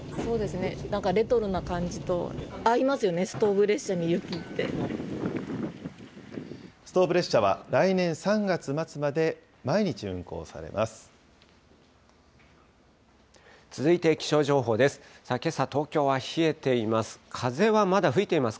ストーブ列車は来年３月末まで毎日運行されます。